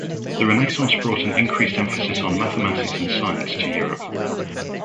The Renaissance brought an increased emphasis on mathematics and science to Europe.